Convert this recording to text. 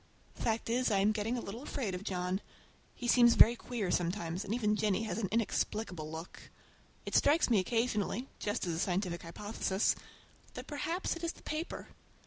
The fact is, I am getting a little afraid of John. He seems very queer sometimes, and even Jennie has an inexplicable look. It strikes me occasionally, just as a scientific hypothesis, that perhaps it is the paper!